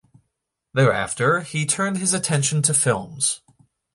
Thereafter he turned his attention to films.